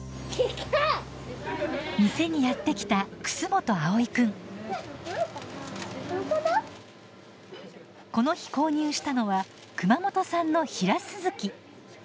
店にやって来たこの日購入したのは熊本産のヒラスズキ。